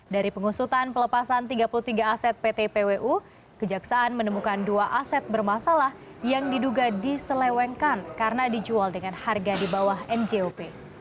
dari pengusutan pelepasan tiga puluh tiga aset pt pwu kejaksaan menemukan dua aset bermasalah yang diduga diselewengkan karena dijual dengan harga di bawah njop